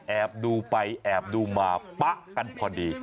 แอบดูไปแอบดูมาปะกันพอดี